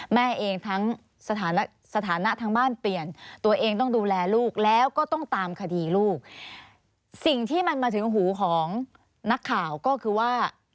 แม่เองทั้งสถานะทางบ้านเปลี่ยนตัวเองต้องดูแลลูกแล้วก็ต้องตามคดีลูกสิ่งที่มันมาถึงหูของนักข่าวก็คือว่า